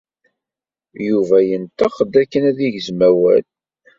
Yuba yenṭeq-d akken ad yegzem awal.